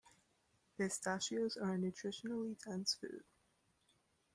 Pistachios are a nutritionally dense food.